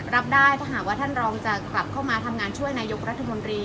รับได้ถ้าหากว่าท่านรองจะกลับเข้ามาทำงานช่วยนายกรัฐมนตรี